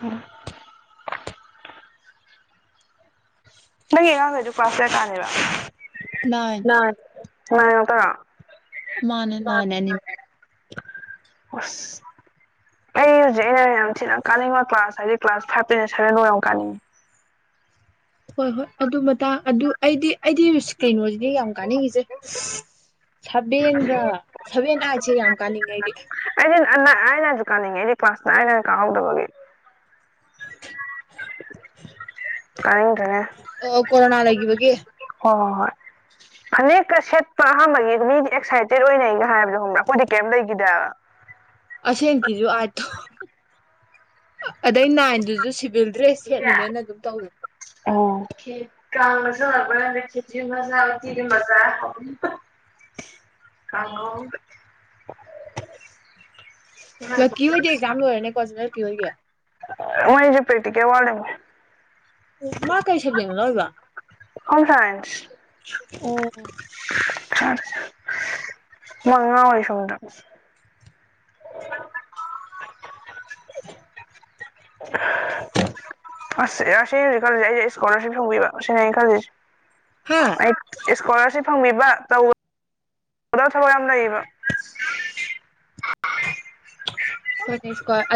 ꯎꯝ ꯅꯪꯒꯤ ꯑꯉꯥꯡꯒꯩꯗꯨ ꯀ꯭ꯂꯥꯁ ꯀꯌꯥ ꯀꯥꯔꯦꯕ ꯅꯥꯏꯟ ꯅꯥꯢꯟ ꯅꯥꯢꯟ ꯉꯥꯇꯔꯣ ꯃꯥꯅꯦ ꯅꯥꯢꯟꯅꯦ ꯑꯅꯤ ꯑꯁ ꯑꯩ ꯍꯧꯖꯤꯛ ꯑꯩꯅ ꯌꯥꯝ ꯊꯤꯅ ꯀꯥꯅꯤꯡꯕ ꯀ꯭ꯂꯥꯁ ꯍꯥꯏꯗꯤ ꯀ꯭ꯂꯥꯁ ꯐꯥꯏꯚꯇꯩꯅ ꯁꯚꯦꯟꯗ ꯌꯥꯝ ꯀꯥꯅꯤꯡꯉꯤ ꯍꯣꯏ ꯍꯣꯏ ꯑꯗꯨ ꯃꯇꯥ ꯑꯗꯨ ꯑꯩꯗꯤ ꯑꯩꯗꯤ ꯏꯁ ꯀꯩꯅꯣꯖꯤꯅꯤ ꯌꯥꯝ ꯀꯅꯤꯡꯉꯤꯁꯦ ꯁꯕꯦꯟꯒ ꯁꯕꯦꯟ ꯑꯥꯢꯠꯁꯦ ꯌꯥꯝ ꯀꯥꯅꯤꯡꯉꯥꯏꯗꯤ ꯑꯥꯏꯠ ꯅꯥꯏꯟꯖꯨ ꯀꯥꯅꯤꯡꯉꯦ ꯑꯩꯗꯤ ꯀ꯭ꯂꯥꯁꯇ ꯑꯩꯅ ꯀꯥꯍꯧꯗꯕꯒꯤ ꯀꯥꯅꯤꯡꯗ꯭ꯔꯦꯅꯦ ꯑꯣ ꯀꯣꯔꯣꯅꯥ ꯂꯒꯤꯕꯒꯤ ꯍꯣꯏ ꯍꯣꯏ ꯍꯣꯏ ꯐꯅꯦꯛꯀ ꯁꯦꯠꯄ ꯑꯍꯥꯟꯕꯒꯤ ꯃꯤꯗꯤ ꯑꯦꯛꯁꯥꯏꯇꯦꯠ ꯑꯣꯏꯅꯩꯒ ꯍꯥꯏꯕꯗꯣ ꯈꯣꯡꯕ꯭ꯔꯥ ꯑꯩꯈꯣꯏꯗꯤ ꯀꯩꯝ ꯂꯩꯈꯤꯗꯦ ꯍꯥꯏꯕ ꯑꯁꯦꯡꯀꯤꯁꯨ ꯑꯠꯇꯣ ꯑꯗꯩ ꯅꯥꯏꯟꯗꯨꯁꯨ ꯕꯤꯜꯗ꯭ꯔꯦ ꯁꯦꯠꯂꯤꯃꯦꯅ ꯑꯗꯨꯝ ꯇꯧ ꯑꫭ [unintelligible] [unintelligible] [inaudible] ꯂꯛꯀꯤ ꯑꯣꯏꯗꯤ ꯑꯦꯛꯖꯝ ꯂꯔꯅꯦ ꯀꯣ ꯀꯤ ꯍꫭꯏꯒꯤ ꯃꫭꯏꯁꯨ ꯄꯦꯇꯤꯀꯦꯜ ꯋꯠꯂꯤꯃꯤ ꯑꯣ ꯃꯥ ꯀꯩ ꯁꯕꯖꯅ ꯂꯣꯏꯕ ꯍꯣꯝ ꯁꯥꯏꯟꯁ ꯑꯣ [unintelligible] [inaudible] ꯃ ꯉꯑꯣꯏ ꯁꫭꯝꯗ ꯑꯁ ꯑꯁꯤ ꯍꯧꯖꯤꯛ ꯈꯂ ꯑꯩꯁꯦ ꯏꯁꯀꯣꯂꯥꯔꯁꯤꯞ ꯍꯪꯕꯤꯕ ꯁꯤꯅ ꯑꯩꯅ ꯈꯜꯂꯤꯖꯦ ꯍꯥ ꯑꯩ ꯏꯁꯀꯣꯂꯥꯔꯁꯤꯞ ꯐꯪꯕꯤꯕ ꯇꯧꯗꯕ ꯊꯕꯛ ꯌꯥꯝ ꯂꯩꯌꯦꯕ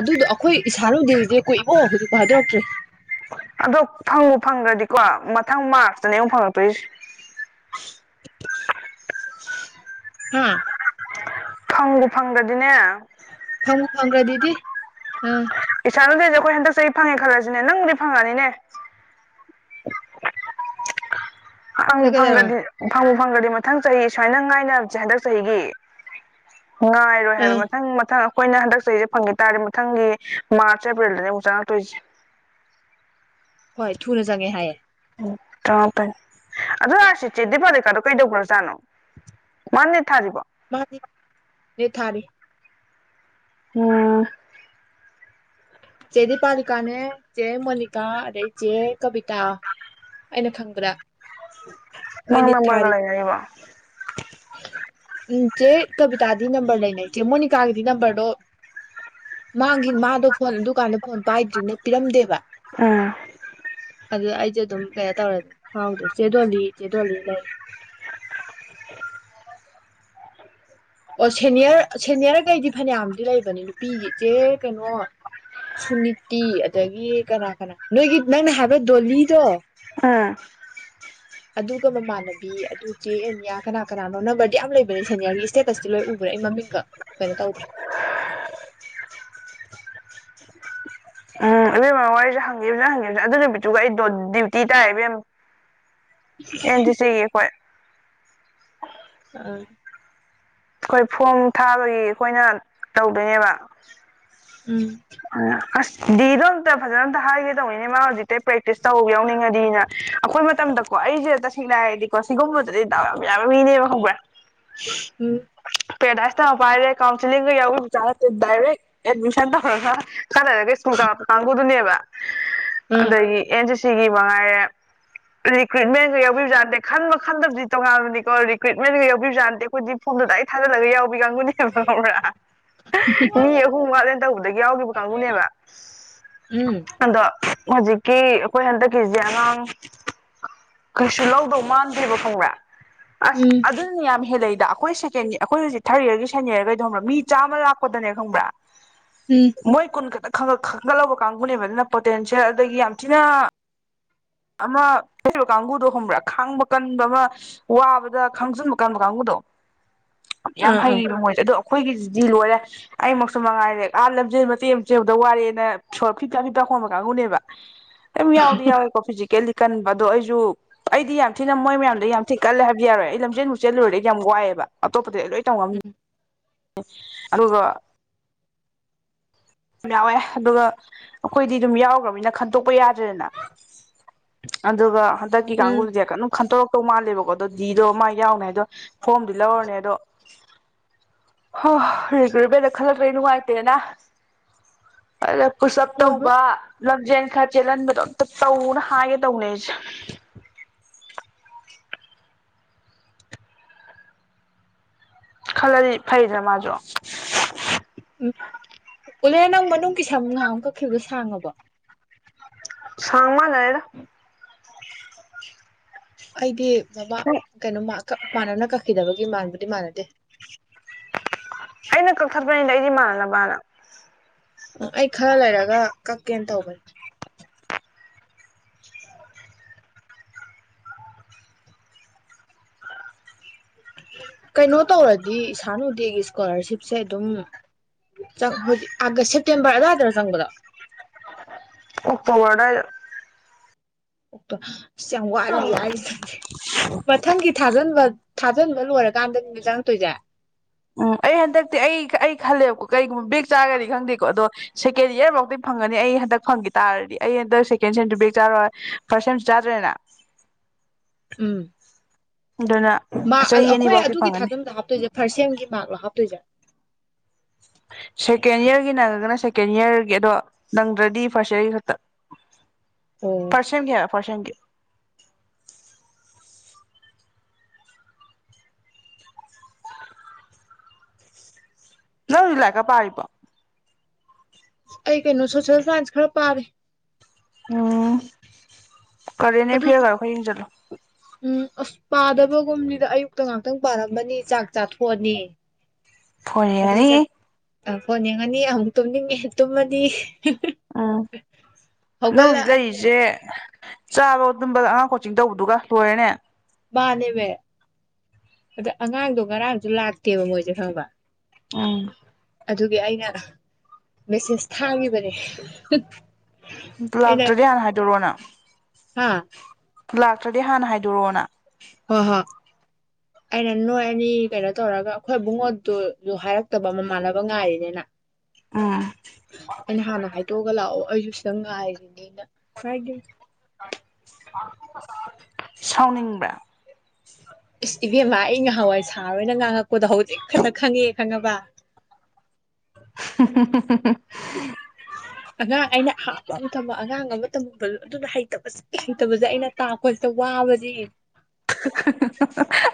ꯑꯗꯨꯗꯣ ꯑꯩꯈꯣꯏ ꯊꯥꯔꯨꯗꯦꯔꯤꯁꯦ ꯀꯣꯛꯏꯕꯣ ꯍꯧꯖꯤꯛ ꯐꯥꯗꯣꯔꯛꯇ꯭ꯔꯦ ꯑꯗꯣ ꯐꯪꯕꯨ ꯐꯪꯈ꯭ꯔꯗꯤꯀꯣ ꯃꯊꯪ ꯃꯥꯔꯁꯇꯅꯦ ꯑꯃꯉꯨꯛ ꯐꯪꯉꯛꯇꯣꯏꯁꯦ ꯍꯥꯥ ꯐꯪꯕꯨ ꯐꯪꯗ꯭ꯔꯗꯤꯅꯦ ꯐꯪꯕꯨ ꯐꯪꯒ꯭ꯔ ꯗꯗꯤ ꯏꯁ ꯁꯗ ꯑꯩꯈꯣꯏ ꯍꯟꯗꯛ ꯆꯍꯤ ꯑꯩ ꯐꯪꯉꯦ ꯈꯜꯂꯁꯤꯅꯦ ꯅꯪꯕꯨꯗꯤ ꯐꯪꯉꯛꯅꯤꯅꯦ ꯐꯪꯕꯨ ꯑꯗꯨ ꯀꯩꯗꯧꯔ ꯐꯪꯒ꯭ꯔꯗꯤ ꯐꯪ ꯐꯪꯈ꯭ꯔꯗꯤ ꯃꯊꯪ ꯆꯍꯤ ꯁꯨꯃꯥꯏꯅ ꯉꯥꯏꯅꯕꯁꯦ ꯍꯟꯗꯛ ꯆꯍꯤꯒꯤ ꯉꯥꯏꯔꯣꯏ ꯍꯥꯏꯕ ꯑꯥ ꯃꯊꯪ ꯃꯊꯪ ꯑꯩꯈꯣꯏꯅ ꯍꯟꯗꯛ ꯆꯍꯤꯁꯦ ꯐꯪꯈꯤ ꯇꯥꯔꯦ ꯃꯊꯪꯒꯤ ꯃꯥꯔꯆ ꯑꯦꯄ꯭ꯔꯤꯜꯗꯅꯤ ꯑꯃꯨꯛ ꯆꯥ ꯉꯥꯛꯛꯇꯣꯏꯁꯦ ꯍꯣꯏ ꯊꯨꯅ ꯆꯪꯉꯦ ꯍꯥꯏꯌꯦ ꯆꯪꯉꯛꯀꯅꯤ ꯑꯗꯨꯁꯤ ꯆꯦꯗꯤ ꯄꯂꯤꯀꯥꯗꯣ ꯀꯩꯗꯧꯈ꯭ꯔꯖꯥꯠꯅꯣ ꯃꯥꯅꯦ ꯊꯥꯔꯤꯕꯣ ꯃꯥ ꯅꯤꯠ ꯊꯥꯔꯤ ꯎꯝ ꯆꯦꯗꯤ ꯄꯥꯂꯤꯀꯥꯅꯦ ꯆꯦ ꯃꯣꯅꯤꯀꯥ ꯑꯗꯩ ꯆꯦ ꯀꯕꯤꯇꯥ ꯑꯩꯅ ꯈꯪꯕꯗꯥ ꯅꯪ ꯅꯝꯕꯔꯒ ꯂꯩꯅꯔꯤꯕ [inaudible] ꯎꯝ ꯆꯦ ꯀꯕꯤꯇꯥꯗꯤ ꯅꯝꯕꯔ ꯂꯩꯅꯁꯦ ꯃꯣꯅꯤꯀꯥꯒꯤꯗꯤ ꯅꯝꯕꯔꯗꯣ ꯃꯥꯒꯤ ꯃꯥꯗꯣ ꯐꯣꯟ ꯑꯗꯨꯀꯥꯟꯗ ꯐꯣꯟ ꯄꯥꯏꯗ꯭ꯔꯤꯅ ꯄꯤꯔꯝꯗꯦꯕ ꯎꯝ ꯑꯗꯨ ꯑꯩ ꯀꯦ ꯑꯗꯨꯝ ꯀꯩꯅꯣ ꯇꯧꯔꯦ ꯐꯥꯎꯗ꯭ꯔꯦ ꯆꯦ ꯗꯣꯂꯤ ꯆꯦ꫰ꯗꯣꯂꯤ ꯂꯩ ꯑꯣ ꯁꯦꯅꯤꯌꯔ ꯁꯦꯅꯤꯌꯔꯒꯩꯗꯤ ꯐꯅꯌꯥꯝꯗꯤ ꯂꯩꯕꯅꯤ ꯅꯨꯄꯤꯒꯤ ꯏꯆꯦ ꯀꯩꯅꯣ ꯁꯨꯅꯤꯇꯤ ꯑꯗꯒꯤ ꯀꯅꯥ ꯀꯅꯥ ꯅꯣꯏꯒꯤ ꯅꯪꯅ ꯍꯥꯏꯕ ꯗꯣꯂꯤꯗꯣ ꯎꯝ ꯑꯗꯨꯒ ꯃꯃꯥꯟꯅꯕꯤ ꯑꯗꯨ ꯆꯦ ꯑꯦꯅꯤꯌꯥ ꯀꯅꯥ ꯀꯅꯥꯅꯣ ꯅꯝꯕꯔꯗꯤ ꯌꯥꯝ ꯂꯩꯕꯅꯦ ꯁꯦꯅꯤꯌꯥꯔꯒꯤ ꯏꯁꯇꯦꯇꯁꯇꯤ ꯂꯣꯏ ꯎꯕ꯭ꯔꯥ ꯑꯩ ꯃꯃꯤꯡꯒ ꯀꯩꯅꯣ ꯇꯧꯗ꯭ꯔꯦ ꯑꯣ ꯑꯩꯁꯨ ꯍꯪꯒꯦꯕꯖꯦ ꯍꯪꯉꯦꯕꯁꯦ ꯑꯗꯨ ꯅꯨꯃꯤꯠꯇꯨꯒ ꯑꯩ ꯗ꯭ꯌꯨꯇꯤ ꯇꯥꯏꯌꯦꯕꯦꯝ ꯑꯟꯠ ꯆ ꯆ ꯀꯣꯏ ꯑ ꯑꯩꯈꯣꯏ ꯐꯣꯝ ꯊꯥꯕꯒꯤ ꯑꯩꯈꯣꯏꯅ ꯇꯧꯗꯣꯏꯅꯦꯕ ꯑ ꯎꯝ ꯑꯁ ꯗꯤꯗꯣꯝꯇ ꯐꯖꯅ ꯑꯝꯇ ꯍꯥꯏꯒꯦ ꯇꯧꯕꯅꯤꯅꯦ ꯃꯥ ꯍꯧꯖꯤꯛꯇꯤ ꯄ꯭ꯔꯦꯛꯇꯤꯁ ꯇꯧꯕ ꯌꯥꯎꯅꯤꯡꯉꯅꯤꯅ ꯑꯩꯈꯣꯏ ꯃꯇꯝꯗꯀꯣ ꯑꯩꯁꯦ ꯇꯁꯦꯡꯅ ꯍꯥꯏꯔꯗꯤꯀꯣ ꯁꯤꯒꯨꯝꯕꯗꯗꯤꯗꯥꯎ ꯌꯥꯝ ꯌꯥꯕ ꯃꯤꯅꯦꯕ ꯍꯧꯕ꯭ꯔꯥ ꯎꯝ ꯄꯦꯔꯗꯥꯁ ꯇꯝꯂꯛꯄ ꯄꯥꯏꯔꯦ ꯀꯥꯎꯟꯁꯤꯂꯤꯡ ꯌꯥꯎ ꯖꯠꯅꯠꯇꯦ ꯗꯗꯥꯏꯔ ꯑꯦꯗꯃꯤꯁꯟ ꯇꯧꯔꯒ ꯈꯔꯥ ꯂꯩꯔꯒꯥ ꯑꯆꯨꯜ ꯀ ꯅꯤꯡꯕꯥ ꯀꯟꯒꯨꯗꯨꯅꯦꯕꯥ ꯎꯝ ꯑꯗꯒꯤ ꯑꯦꯟ ꯁꯤꯒꯤ ꯃꯉꯥꯏꯔꯦ ꯔꯤꯀ꯭ꯔꯨꯏꯠꯃꯦꯟꯒ ꯌꯥꯎꯤꯕꯖꯥꯠꯅꯗꯦ ꯈꯟꯕ ꯈꯟꯗꯕꯗꯤ ꯇꯣꯉꯥꯟꯕꯅꯤꯀꯣ ꯔꯤꯀ꯭ꯔꯨꯏꯠꯃꯦꯟꯒ ꯌꯥꯎꯤꯕꯖꯥꯠꯅꯗꯦ ꯑꯩꯈꯣꯏꯗꯤ ꯐꯣꯝꯗꯗꯥꯏ ꯊꯥꯜꯂꯉ ꯌꯥꯎ ꯀꯥꯡꯕꯨꯅꯦꯕ ꯉꯕ꯭ꯔ ꯃꯤ ꯑꯍꯨꯝ ꯋꯥꯠꯂꯦ ꯇꯧꯕꯗꯒꯤ ꯌꯥꯎꯈꯤꯕ ꯀꯥꯡꯕꯨꯅꯦꯕ ꯎꯝ ꯑꯗꯣ ꯍꯧꯖꯤꯛ ꯀꯤ ꯑꯩꯈꯣꯏ ꯍꯟꯗꯛꯀꯤꯁꯦ ꯑꯉꯥꯡ ꯀꯩꯁꯨ ꯂꯧꯗꯧ ꯃꯥꯟꯗꯦꯕ ꯈꯪꯕ꯭ꯔꯦ ꯑꯁ ꯎꯝ ꯑꯗꯨꯅꯤ ꯌꯥꯝꯝ ꯍꯦꯟꯢ ꯗꯥ ꯑꯩꯈꯣꯏ ꯁꯦꯐꯣꯟꯁ ꯑꯩꯈꯣꯏ ꯍꯧꯖꯤꯛ ꯊꯥꯔꯤꯔꯒꯤ ꯁꯟꯅꯤꯔꯒꯩꯗ ꯈꯕ꯭ꯔꯥ ꯃꯤ ꯆꯥꯃ ꯂꯥꯛꯄꯗꯅꯦꯅ ꯈꯪꯕ꯭ꯔꯥ ꯃꯣꯏ ꯀꯣꯟ ꯀꯇꯥ ꯈꯪꯒꯠꯍꯧꯕ ꯀꯥꯡꯕꯨꯅꯦꯕ ꯑꯗꯨꯅ ꯄꯣꯇꯦꯟꯁꯤꯌꯦꯜ ꯑꯗꯒꯤ ꯌꯥꯝ ꯊꯤꯅ ꯑꯃ ꯂꯩꯔꯤꯕ ꯀꯥꯡꯕꯨꯗꯣ ꯍꯣꯡꯕ꯭ꯔꯥ ꯈꯥꯡꯕ ꯀꯟꯕ ꯑꯃ ꯋꯥꯕꯗ ꯈꯥꯡꯖꯤꯟꯕ ꯀꯟꯕ ꯀꯥꯡꯕꯨꯗꯣ ꯌꯥꯝ ꯑꯥ ꯑꯥ ꯍꯩꯌꯦ ꯃꯣꯏꯗ ꯑꯗꯣ ꯑꯩꯈꯣꯏꯒꯤꯁꯤꯗꯤ ꯂꯣꯏꯔꯦ ꯑꯩꯃꯛꯁꯨ ꯃꯉꯥꯏꯔꯦ ꯑꯥ ꯂꯝꯖꯦꯜ ꯃꯆꯦ ꯑꯃ ꯆꯦꯕꯗ ꯋꯥꯔꯦꯅ ꯁ ꯐꯤꯇꯥꯛ ꯐꯤꯇꯥꯛ ꯈꯣꯟꯕ ꯀꯥꯡꯕꯨꯅꯦꯕ ꯑꯦꯃꯤ ꯌꯥꯎꯗ ꯌꯥꯋꯕꯥ ꯐꯤꯁꯤꯀꯦꯟꯂꯤ ꯀꯟꯕ ꯑꯗꯣ ꯑꯩꯁꯨ ꯑꯩꯗꯤ ꯌꯥꯝ ꯊꯤꯅ ꯃꯣꯏ ꯃꯌꯥꯝꯗ ꯌꯥꯝ ꯊꯤ ꯀꯜꯂꯦ ꯍꯥꯏꯕꯗꯤ ꯌꯥꯔꯣꯏ ꯑꯩ ꯂꯝꯖꯦꯜꯃꯨꯛ ꯆꯦꯜꯂꯨꯔꯦꯗꯤ ꯌꯥꯝ ꯋꯥꯏꯑꯦꯕ ꯑꯗꯣ ꯑꯗꯨ ꯂꯣꯏ ꯇꯧꯉꯝꯅꯤ ꯑꯗꯨꯒꯥ ꯌꯥꯎꯋꯦ ꯑꯗꯨꯒ ꯑꯩꯈꯣꯏꯗꯤ ꯑꯗꯨꯝ ꯌꯥꯎꯈ꯭ꯔꯅꯤꯅ ꯈꯟꯇꯣꯛꯄ ꯌꯥꯗ꯭ꯔꯦꯅ ꯑꯗꯨꯒ ꯈꯟꯗꯥꯛ ꯎꯝ ꯀꯥꯒꯨꯖ ꯀꯩꯅꯪ ꯈꯟꯇꯣ ꯇꯣ ꯃꯥꯂꯦꯕꯒꯗ ꯗꯤꯗꯣ ꯃꯥ ꯌꯥꯎꯅꯦ ꯑꯗꯣ ꯐꯣꯝꯗꯤ ꯂꯧꯔꯅꯦ ꯑꯗꯣ ꯔꯦꯆꯤꯠꯃꯦꯟꯠ ꯈꯜꯂꯛꯇꯦ ꯅꯨꯡꯉꯥꯏꯇꯦꯅ ꯑꯗ ꯄꯨꯁꯨꯞ ꯍꯣꯏ ꯍꯣꯏ ꯇꯧꯕ ꯂꯪꯖꯦꯜ ꯈꯔ ꯆꯦꯜꯍꯟꯕꯗꯣ ꯑꯝꯇ ꯇꯧꯅ ꯍꯥꯏꯒꯦ ꯇꯧꯅꯩ ꯑꯩꯁꯦ ꯈꯜꯂꯗꯤ ꯐꯩꯗꯅ ꯃꯥꯁꯨ ꯎꯂꯦꯟ ꯅꯪ ꯃꯅꯨꯡꯒꯤ ꯁꯝ ꯅꯍꯥꯟꯃꯨꯛ ꯀꯛꯈꯤꯕꯗꯣ ꯁꯥꯡꯉꯕꫭ ꯁꯥꯡ ꯃꯥꯟꯅꯔꯦꯗ ꯑꯩꯗꯤ ꯕꯕꯥ ꯅꯪ ꯀꯩꯅꯣ ꯃꯥ ꯀ ꯃꯥꯅꯅ ꯀꯥꯈꯤꯗꯕ ꯒꯤ ꯃꯥꯟꯕꯕꯨꯗꯤ ꯃꯥꯥꯟꯅꯗꯦ ꯑꯩꯅ ꯀꯛꯊꯠꯄꯅꯤꯗ ꯑꯩꯗꯤ ꯃꯥꯟꯅꯅꯕꯅ ꯎ ꯑꯩ ꯈꯔ ꯂꯩꯔꯒ ꯀꯛꯀꯦꯅ ꯇꯧꯕꯅꯤ ꯀꯩꯅꯣ ꯇꯧꯔꯗꯤ ꯏꯁꯥꯅ ꯎꯗꯦꯒꯤ ꯏꯁꯀꯣꯂꯥꯔꯁꯤꯞꯁꯦ ꯑꯗꯨꯝ ꯆ ꯍꯧꯖꯤ ꯑꯒꯁ ꯇꯦꯝꯕꯔ ꯑꯗꯨꯋꯥꯏꯗꯔ ꯆꯪꯕꯗꯣ ꯑꫭꯛꯇꫭꯕꯔ ꯑꯗꯥꯏꯗ ꯑꫭꯛꯇꫭ ꯑꯁ ꯌꯥꯝ ꯋꯥꯠꯂꯤ ꯍꯥꯏꯔꯤꯁꯤꯗꯤ ꯃꯊꯪꯒꯤ ꯊꯥꯖꯟꯕ ꯊꯥꯖꯟꯕ ꯂꯣꯏꯔꯀꯥꯟꯗ ꯅꯤꯅꯦ ꯆꯪꯉꯛꯇꯣꯏꯁꯦ ꯎꯝ ꯑꯩ ꯍꯟꯗꯛꯇꯤ ꯑꯩ ꯑꯩ ꯈꯜꯂꯦꯕ ꯕꯦꯛ ꯆꯥꯔꯒꯗꯤ ꯈꯪꯗꯦꯀꫭ ꯑꯗꯣ ꯁꯦꯀꯦꯟ ꯏꯌꯥꯔ ꯐꯥꯎꯗꯤ ꯐꯪꯒꯅꯤ ꯑꯩ ꯍꯟꯗꯛ ꯐꯪꯒꯤ ꯇꯥꯔꯗꯤ ꯑꯩ ꯍꯟꯗꯛ ꯁꯦꯀꯦꯟ ꯁꯦꯝꯁꯨ ꯕꯦꯛ ꯆꯥꯔꯣꯏ ꯐꯥꯔꯁꯠ ꯁꯦꯝꯁꯨ ꯆꯥꯗ꯭ꯔꯦꯅ ꯑꯗꯨꯅ ꯃꯥꯛ ꯑ ꯆꯍꯤ ꯑꯩꯈꯣꯏ ꯑꯅꯤꯐꯧꯗꯤ ꯑꯗꯨꯒꯤ ꯐꯪꯒꯅꯤ ꯊꯥꯖꯝꯟꯕꯗ ꯍꯥꯞꯇꯣꯏꯁꯦ ꯐꯥꯔꯁ ꯁꯦꯝꯒꯤ ꯃꯥꯔꯛꯂꯣ ꯍꯥꯞꯇꯣꯏꯁꯦ ꯁꯦꯀꯦꯟ ꯏꯌꯥꯔꯒꯤ ꯅꯪꯒꯅ ꯁꯦꯀꯦꯟ ꯏꯌꯥꯔꯒꯤ ꯑꯗꯣ ꯅꯪꯗ꯭ꯔꯗꯤ ꯐꯥꯔꯁ ꯏꯌꯥꯔꯒꯤ ꯈꯛꯇ ꯐꯥꯔꯁ ꯁꯦꯝꯒꯤ ꯍꯥꯏꯌꫭ ꯐꯥꯔꯁ‌ ꯁꯦꯝꯒꯤ ꯅꯧ ꯖꯤꯛ ꯂꯥꯏꯔꯤꯛꯀ ꯄꯥꯥꯔꯤꯕꫭ ꯑꯩ ꯀꯩꯅꯣ ꯁꯣꯁꯦꯜ ꯁꯥꯏꯟꯁ ꯈꯔ ꯄꯥꯔꯤ ꯎꯝ ꯀꯔꯦꯟ ꯑꯗꯨꯁꯨ ꯑꯦꯐꯤꯌꯥꯔꯒꯔꯣ ꯈꯔ ꯌꯦꯡꯁꯜꯂꯣ ꯎꯝ ꯑꯁ ꯄꯥꯗꯕꯒꯨꯝꯅꯤꯗ ꯑꯌꯨꯛꯇ ꯉꯍꯥꯛꯇꯪ ꯄꯥꯔꯝꯕꯅꯤ ꯆꯥꯛ ꯆꯥꯊꯣꯛꯑꯅꯤ ꯐꫭꯟ ꯌꯦꯡꯉꯅꯤ ꯑ ꯐꫭꯟ ꯌꯦꯡꯉꯅꯤ ꯑꯃꯨꯛ ꯇꯨꯝꯅꯤꯡꯉꯦ ꯇꯨꯝꯃꯅꯤ ꯑꯥ ꯅꯪ ꯍꯧꯖꯤꯛ ꯍꯧꯒꯠꯂꯛꯑꯅꯤ ꯂꯩꯔꯤꯁꯦ ꯆꯥꯔꯣ ꯗꯨꯝꯕ ꯑꯉꯥꯡ ꯀꯣꯆꯤꯡ ꯇꯧꯕꯗꯨꯒ ꯂꯣꯏꯔꯦꯅꯦ ꯃꯥꯅꯦꯃꯦ ꯑꯗ ꯑꯉꯥꯡꯗꯣ ꯉꯔꯥꯡꯁꯨ ꯂꯥꯛꯇꯦꯕ ꯃꯣꯏꯁꯦ ꯈꯪꯉꯕ ꯎꯝ ꯑꯗꯨꯒꯤ ꯑꯩꯅ ꯃꯦꯁꯦꯁ ꯊꯥꯒꯤꯕꯅꯦ ꯂꯥꯛꯇ꯭ꯔꯗꯤ ꯍꯥꯟꯅ ꯍꯥꯏꯗꯣꯔꯛꯑꯣꯅ ꯍꯥꯥ ꯂꯥꯛꯇ꯭ꯔꯗꯤ ꯍꯥꯟꯅ ꯍꯥꯏꯗꯣꯔꯛꯑꯣꯅ ꯍꯣꯏ ꯍꯣꯏ ꯑꯩꯅ ꯅꯣꯏ ꯑꯅꯤ ꯀꯩꯅꯣ ꯇꯧꯔꯒ ꯑꯩꯈꯣꯏ ꯏꯕꯨꯡꯉꯣꯗꯨꯁꯨ ꯍꯥꯏꯔꯛꯇꯕ ꯃꯃꯥꯟꯅꯕ ꯉꯥꯏꯔꯤꯅꯦꯅ ꯎꯝ ꯑꯩꯅ ꯍꯥꯟꯅ ꯍꯥꯏꯗꯣꯛꯑꯒ ꯂꯥꯛꯑꯣ ꯑꯩꯁꯨ ꯁꯦꯇꯪꯡ ꯉꯥꯏꯔꯤꯅꯤꯅ ꯍꯥꯏꯒꯦ ꯁꯥꯎꯅꯤꯡꯕ꯭ꯔ ꯏꯁ ꯏꯕꯦꯝꯃ ꯑꯩ ꯉꯍꯥꯟꯋꯥꯏ ꯁꯥꯔꯣꯏꯅ ꯉꯥꯡꯉꯛꯄꯗꯣ ꯍꯧꯖꯤꯛ ꯈꯥꯛꯇꯥ ꯈꯥꯉꯛ ꯑ ꯈꯥꯉꯕꯥ [inaudible] ꯑꯉꯥꯡ ꯑꯩꯅ ꯍꯥꯞꯄ ꯑꯃ ꯊꯝꯕ ꯑꯉꯥꯡ ꯑꯃ ꯇꯝꯃ ꯕꯥꯂꯨ ꯑꯗꯨꯗꯥ ꯍꯩꯇꯕꯁꯦ ꯍꯩꯇꯕꯁꯦ ꯑꯩꯅ ꯇꯥꯛꯄꯁꯤꯗ ꯋꯥꯕꯁꯤ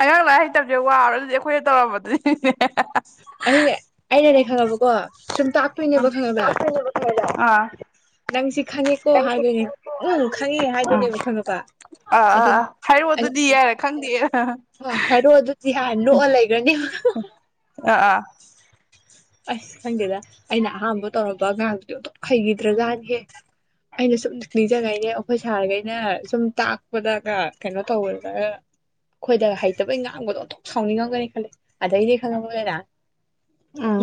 ꯑꯉꯥꯡ ꯂꯥꯏ ꯍꯩꯇꯕꯁꯦ ꯋꯥꯕꯔ ꯑꯗꯨꯗꯤ ꯑꯩꯈꯣꯏꯅ ꯇꯧꯔꯝꯕꯗꯨꯅꯤ ꯅꯦ ꯑꯗꯨꯅꯦ ꯑꯩꯅꯅꯦ ꯈꯪꯉꯕꯀꯣ ꯁꯨꯝ ꯇꯥꯛꯇꯣꯏꯅꯦꯕ ꯈꯪꯉꯕ ꯑꯥ ꯅꯪꯁꯤ ꯈꯪꯉꯦꯀꯣ ꯍꯥꯏꯗꯣꯏꯅꯦ ꯎꯝ ꯈꯪꯉꯦ ꯍꯥꯏꯗꯣꯏꯅꯦꯕ ꯈꯪꯉꯕ ꯑꯥ ꯑꯗꯨ ꯑꯥ ꯑꯥ ꯍꯥꯏꯔꯛꯑꯣ ꯑꯗꯨꯗꯤ ꯍꯥꯏꯔ ꯈꯪꯗꯦ ꯑꯥ ꯍ ꯍꯥꯏꯔꯛꯑꯣ ꯑꯗꯨꯗꯤ ꯍꯥꯟ ꯅꯣꯛꯑ ꯂꯩꯈ꯭ꯔꯅꯤꯕ [inaudible] ꯑꯥ ꯑꯥ ꯑꯁ ꯈꯪꯗꯦꯗ ꯑꯩꯅ ꯑꯍꯥꯝꯕ ꯇꯧꯔꯕ ꯑꯉꯡꯗꯨꯗꯤ ꯑꯅꯊꯣꯛꯅꯥ ꯍꯩꯈꯤꯗ꯭ꯔꯖꯥꯠꯅꯤꯍꯦ ꯑꯩꯅ ꯁꯨꯝ ꯅꯤꯡꯖꯡꯧꯅꯦ ꯑꯩꯈꯣꯏ ꯁꯥꯔꯒꯩꯅ ꯁꯨꯝ ꯇꯥꯛꯄꯗꯒ ꯀꯩꯅꯣ ꯇꯧꯕꯗꯒꯥ ꯑꯩꯈꯣꯏꯗ ꯍꯩꯇꯕꯩ ꯉꯥꯡꯕꯗꯣ ꯑꯣꯟꯊꯣꯛꯅꯥ ꯁꯥꯎꯅꯤꯡꯉꯝꯒꯅꯤ ꯈꯜꯂꯦ ꯑꯗꯩꯅꯦ ꯈꯥꯉꯕꯥ ꯂꯣꯏꯅꯥ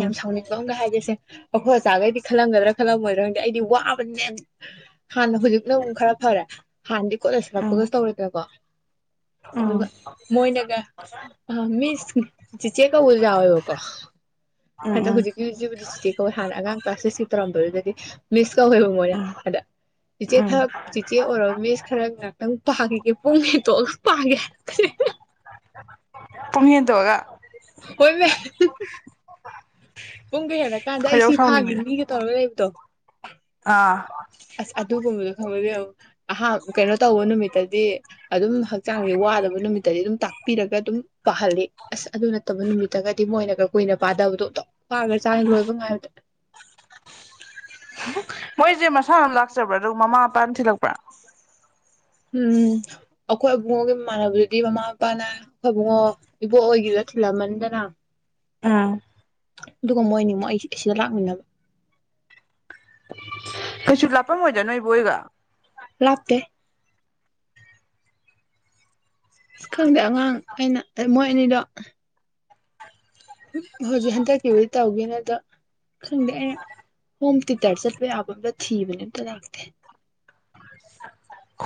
ꯌꯥꯝ ꯁꯥꯎꯅꯤꯡꯕ ꯑꯃꯒ ꯍꯥꯏꯒꯁꯦ ꯑꯩꯈꯣꯏ ꯑꯆꯥꯒꯩꯗꯤ ꯈꯜꯂꯝꯒꯗ꯭ꯔꯥ ꯈꯜꯂꯝꯃꯣꯏꯗ꯭ꯔꯥꯪꯗꯤ ꯑꯩꯗꯤ ꯋꯥꯕꯅꯦ ꯍꯥꯟꯅ ꯍꯧꯖꯤꯛꯅ ꯑꯃꯨꯛ ꯈꯔ ꯐꯔꯦ ꯍꯥꯟꯅꯗꯤ ꯀꯣꯂꯦꯖ ꯎꯝ ꯍꯜꯛꯄꯒꯁꯨ ꯇꯧꯔꯦꯗꯅꯥ ꯀꯦ ꯎꯝ ꯑꯗꯨꯒ ꯃꯣꯏꯅꯒ ꯃꯤꯁ ꯆꯤꯆꯦ ꯀꯧꯕꯁꯨ ꯌꯥꯥ ꯑꯣꯑꯥꯕꯥꯀꯣ ꯎꯝ ꯍꯦꯛꯇꯥ ꯎꯝ ꯍꯧꯖꯤꯀꯦꯁꯦꯕꯨꯗꯤ ꯆꯦꯆꯦ ꯀꯧꯏ ꯍꯥꯟꯅ ꯑꯉꯥꯡ ꯀ꯭ꯂꯥꯁꯦ ꯁꯏꯁꯀꯤ ꯇꯧꯔꯝꯕꯗꯨꯗꯗꯤ ꯃꯤꯁ ꯀꯧꯋꯦꯕ ꯃꯣꯏꯅ ꯑꯗ ꯆꯦꯆꯦ ꯎꯝ ꯈꯔ ꯆꯦꯆꯦ ꯑꯣꯏꯔꯔꯕ ꯃꯤꯁ ꯈꯔꯒꯥ ꯉꯍꯥꯛꯇꯡ ꯄꯥꯈꯒꯦ ꯄꯨꯡ ꯍꯦꯠꯇꯣꯛꯑꯒ ꯄꯥꯒ ꯄꯨꯨꯡ ꯍꯦꯟꯗꯣꯑꯒꯥ ꯍꯣꯏ ꯃ ꯄꯨꯡꯒ ꯍꯦꯜꯂꯛ ꯀꯥꯟꯗ ꯑꯩ ꯈꯣꯏꯗꯧ ꯁꯤ ꯐꯥꯒꯤ ꯁꯥꯎꯅꯤꯡꯕꯤꯗꯣ ꯃꯤꯒ ꯇꯧꯔꯒ ꯂꯩꯕ ꯇꯪ ꯑꯥ ꯑꯁ ꯑꯗꯨꯒꯨꯝꯕꯗꯣ ꯈꯥꯉꯕꯥ ꯏꯕꯥꯃꯥ ꯑꯍ ꯀꯩꯅꯣ ꯇꯧꯕ ꯅꯨꯃꯤꯠꯇꯗꯤ ꯑꯗꯨꯝ ꯍꯛꯆꯥꯡꯁꯦ ꯋꯥꯗꯕ ꯅꯨꯃꯤꯠꯇꯗꯤ ꯑꯗꯨꯝ ꯇꯥꯛ ꯄꯤꯔꯒ ꯑꯗꯨ ꯄꯍꯜꯂꯤ ꯑꯁ ꯑꯗꯨ ꯅꯠꯇꯕ ꯅꯨꯃꯤꯠꯇꯒꯗꯤ ꯃꯣꯏꯅꯒ ꯀꯨꯏꯅ ꯄꯥꯗꯕꯗꯣ ꯑꯣꯅꯊꯣꯛ ꯄꯥꯒꯔꯥ ꯖꯠꯅꯤ ꯂꯣꯏꯕꯥ ꯉꯥꯏꯕꯗꯥ ꯃꯣꯏꯁꯦ ꯃꯁꯥꯅ ꯂꯥꯛꯆꯕ꯭ꯔꯥ ꯑꯗꯨꯒ ꯃꯃꯥ ꯃꯄꯥꯅ ꯊꯤꯜꯂꯛꯄ꯭ꯔꯥ ꯎꯝ ꯑꯩꯈꯣꯏ ꯏꯕꯨꯡꯉꯣꯒꯤ ꯝꯃꯥꯟꯅꯕꯗꯨꯗꯤ ꯃꯃꯥ ꯃꯄꯥꯅ ꯑꯩꯈꯣꯏ ꯏꯕꯨꯡꯉꯣ ꯏꯕꯣꯛ ꯍꯣꯏꯒꯤꯗ ꯊꯅꯥꯃꯝꯅꯤꯗꯅ ꯑꯥ ꯑꯗꯨꯒ ꯃꯣꯏꯅꯤꯃꯛ ꯑꯩ ꯑꯁꯤꯗ ꯂꯥꯛꯃꯤꯟꯅꯕ ꯀꯩꯁꯨ ꯂꯥꯞꯄꯝ ꯑꯣꯏꯗ ꯅꯣꯏ ꯑꯕꯣꯛ ꯍꯣꯏꯒ ꯂꯥꯞꯇ ꯁ ꯈꯪꯗꯦ ꯑꯉꯥꯡ ꯑꯩꯅ ꯃꯣꯏ ꯑꯅꯤꯗꯣ ꯍꯧꯖꯤꯛ ꯍꯟꯗꯛꯀꯤꯕꯨꯗꯤ ꯇꯧꯒꯦꯅ ꯑꯗ ꯈꯪꯗꯦ ꯑꯩꯅ ꯍꯣꯝ ꯇꯨꯇꯔ ꯆꯠꯄ ꯌꯥꯕ ꯑꯝꯇ ꯊꯤꯕꯅꯦ ꯑꯝꯇ ꯂꯥꯛꯇꯦ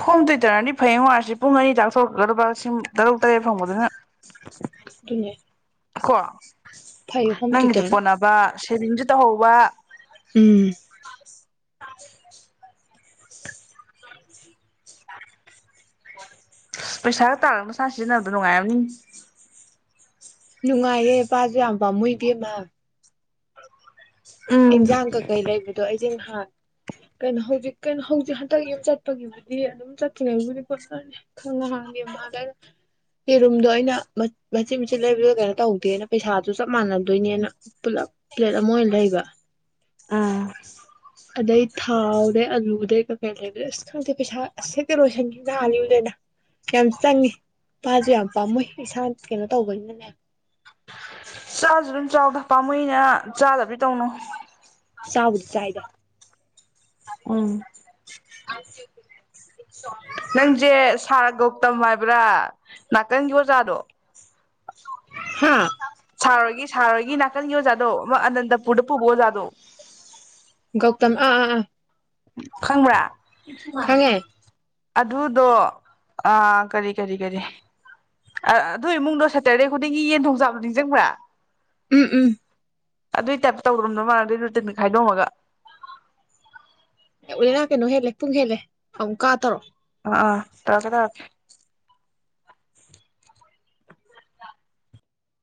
ꯍꯣꯡ ꯇꯨꯇꯔꯅꯗꯤ ꯐꯩꯌꯦꯉꯣ ꯑꯁꯤ ꯄꯨꯡ ꯑꯅꯤ ꯇ ꯑꯗꯨꯅꯦ ꯀꯣ ꯐꯩ ꯍꯣꯝ ꯅꯪꯒꯤꯗꯣ ꯇ꯭ꯌꯨꯇꯔꯅ ꯀꯣꯅꯥꯕ ꯁꯦꯚꯤꯡꯁꯨ ꯇꯧꯍꯧꯕ꯫ ꯎꯝ [inaudible] ꯄꯩꯁꯥꯒ ꯇꯥꯔ ꯃꯁꯥꯅ ꯁꯤꯖꯤꯟꯅꯕꯗ ꯅꯨꯡꯉꯥꯏꯔꯝꯅꯤ꯫ ꯅꯨꯡꯉꯥꯏꯌꯦ ꯄꯁꯨ ꯌꯥꯝꯕꯄꯝꯃꯨ ꯏꯕꯦꯝꯃ꯫ ꯎꯝ ꯏꯟꯖꯥꯡ ꯀꯩꯀꯩ ꯂꯩꯕꯗꯣ ꯑꯩ ꯍꯥꯟ ꯀꯩꯅꯣ ꯍꯧꯖꯤꯛ ꯀꯩꯅꯣ ꯍꯧꯖꯤꯛ ꯍꯟꯗꯛ ꯑꯗꯨ ꯆꯠꯄꯒꯤꯕꯨꯗꯤ ꯑꯗꯨꯝ ꯆꯠꯇ꯭ꯔꯤꯉꯩꯕꯨꯗꯤ ꯐꯣꯠꯅꯅꯤ ꯈꯪ ꯉꯍꯥꯡꯒꯦ ꯃꯥꯗ ꯑ ꯌꯦꯔꯨꯝꯗꯣ ꯑꯩꯅ ꯃꯆꯤꯟꯠ ꯃꯆꯤꯟꯠ ꯂꯩꯕꯗ ꯀꯩꯅꯣ ꯇꯧꯗꯦꯅ ꯄꯩꯁꯥꯁꯨ ꯆꯞ ꯃꯥꯟꯅꯗꯣꯏꯅꯦꯅ ꯄꯨꯂꯞ ꯄ꯭ꯂꯦꯠ ꯑꯃ ꯑꯣꯏꯅ ꯂꯩꯕ꯫ ꯎꯝ ꯑꯗꯩ ꯊꯥꯎꯗꯩ ꯑꯂꯨꯗꯩ ꯀꯀꯩ ꯂꯩꯕꯗ ꯑꯁ ꯈꯪꯗꯦ ꯄꯩꯁꯥ ꯑꯁ ꯍꯦꯛꯇ ꯂꯣꯏꯁꯟꯈꯤ ꯍꯥꯜꯂꯤꯕꯨ ꯂꯩꯅꯥ ꯌꯥꯝ ꯆꯪꯉꯤ ꯃꯥꯄꯥꯁꯨ ꯌꯥꯝ ꯄꯥꯝꯃꯨ ꯏꯁꯥ ꯀꯩꯅꯣ ꯇꯧꯕꯅꯤꯅꯅꯦ ꯫ ꯆꯥꯁꯨ ꯑꯗꯨꯝ ꯆꯥꯎꯗ ꯄꯥꯝꯃꯨꯅ ꯆꯥꯗꯕꯤ ꯇꯧꯅꯨ ꯆꯥꯎꯥꯕꯗꯤ ꯆꯥꯏꯗ ꯎꯝ ꯅꯪꯁꯦ ꯁꯥꯔ ꯒꯧꯇꯝ ꯍꯥꯏꯕ꯭ꯔꯥ ꯅꯥꯀꯟꯒꯤ ꯑꯣꯖꯥꯗꯣ ꯍꯥꯥ ꯁꯥꯔꯣꯏꯒꯤ ꯁꯥꯔꯣꯏꯒꯤ ꯅꯥꯀꯟꯒꯤ ꯑꯣꯖꯥꯠꯗꯣ ꯑꯃ ꯑꯅꯟꯗꯄꯨꯔꯗ ꯄꯨꯕꯑꯣ ꯑꯣꯖꯥꯠꯗꯣ ꯒꯧꯇꯝ ꯑꯥ ꯑꯥ ꯑ ꯈꯪꯕ꯭ꯔꯥ ꯑꯗꯨꯗꯣ ꯑꯥ ꯀꯔꯤ ꯀꯔꯤ ꯀꯔꯤ ꯑꯗꯨ ꯏꯃꯨꯡꯗꯣ ꯁꯦꯇꯔꯗꯦ ꯈꯨꯗꯤꯡꯒꯤ ꯌꯦꯟ ꯊꯣꯡꯆꯥꯕꯗꯣ ꯅꯤꯡꯁꯤꯡꯕ꯭ꯔꯥ꯫ ꯎꯝ ꯎꯝ ꯑꯗꯨꯏ ꯇꯥꯏꯞꯇ ꯇꯧꯗꯣꯝꯅꯣ ꯃꯥꯂ ꯑꯗꯨꯏ ꯔꯨꯇꯤꯟ ꯈꯥꯏꯗꯣꯝꯃꯒ ꯑꯣꯂꯅ ꯀꯩꯅꯣ ꯍꯦꯜꯂꯦ ꯄꯨꯡ ꯍꯦꯜꯂꯦ ꯑꯃꯨꯛ ꯀꯥ ꯇꯧꯔꯣ ꯑꯥ ꯑꯥ ꯇꯧꯔꯛꯀꯦ ꯇꯧꯔꯛꯀꯦ